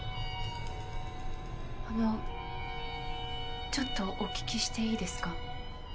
あのちょっとお聞きしていいですか？